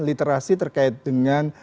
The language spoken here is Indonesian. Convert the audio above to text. literasi terkait dengan